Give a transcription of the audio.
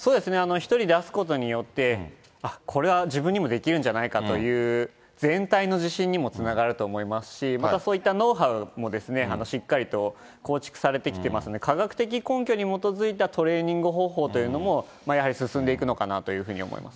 １人出すことによって、あっ、これは自分にもできるんじゃないかという、全体の自信にもつながると思いますし、またそういったノウハウもしっかりと構築されてきてますので、科学的根拠に基づいたトレーニング方法というのも、やはり進んでいくのかなというふうに思いますね。